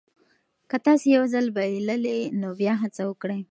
که تاسي یو ځل بایللي نو بیا هڅه وکړئ.